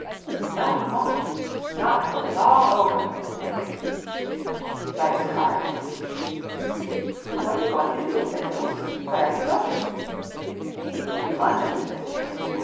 "No, he won't. Not till it is all over," said Sam. He started the car again. "What are you going to do?" said Billie. "Where are you going?" "To London," said Sam.